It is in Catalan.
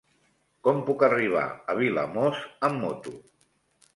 Com puc arribar a Vilamòs amb moto?